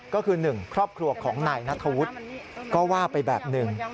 ก็คือ๑ครอบครัวของนายนัทธวุฒิก็ว่าไปแบบหนึ่ง